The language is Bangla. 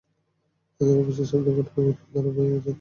তাঁদের অফিসের সামনে ঘটনা ঘটলেও তাঁরা ভয়ে কাছে যেতে সাহস পাননি।